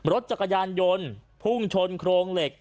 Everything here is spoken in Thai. รถจักรยานยนต์พุ่งชนโครงเหล็ก